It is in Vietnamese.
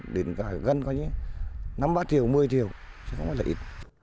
điện cả gân coi như năm ba triệu một mươi triệu chứ không phải là ít